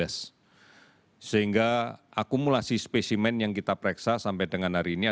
ini disampaikan jurubicara pemerintah untuk percepatan penanganan covid sembilan belas